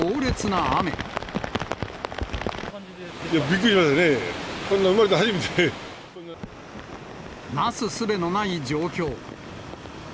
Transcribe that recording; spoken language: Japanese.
なすすべのない状況。